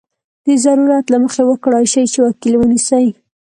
د ضرورت له مخې وکړای شي چې وکیل ونیسي.